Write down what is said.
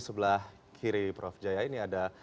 sebelah kiri prof jaya ini ada